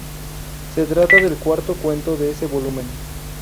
Se trata del cuarto cuento de ese volumen.